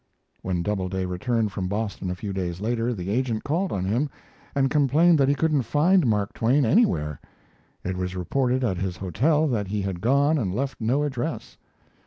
When Doubleday returned from Boston a few days later the agent called on him and complained that he couldn't find Mark Twain anywhere. It was reported at his hotel that he had gone and left no address.